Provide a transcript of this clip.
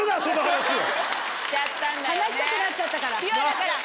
話したくなっちゃったから。